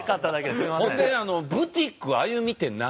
ほんで「ブティックあゆみ」って何？